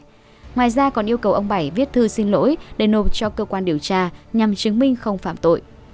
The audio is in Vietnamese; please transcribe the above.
ngoài ra còn yêu cầu ông bảy viết thư xin lỗi để nộp cho cơ quan điều tra nhằm chứng minh không phạm tội